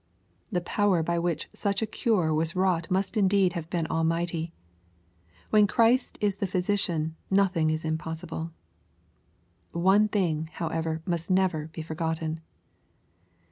The power by which such a cure was wrought must indeed have been almighty. When Christ is the physician nothing is impossible. One thing, however, must never be forgotten.